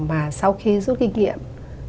mà sau khi rút kinh nghiệm